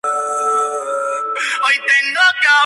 Es ya un clásico la cerveza con el plato de gambas cocidas.